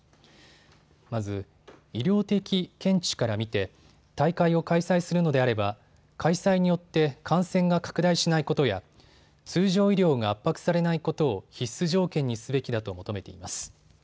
まず、医療的見地から見て大会を開催するのであれば開催によって感染が拡大しないことや、通常医療が圧迫されないことを必須条件にすべきだと求めています。